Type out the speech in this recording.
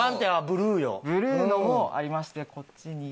ブルーのもありましてこっちに。